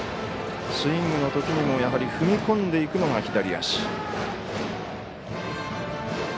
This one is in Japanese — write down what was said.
スイングのときにもやはり踏み込んでいくのが左足。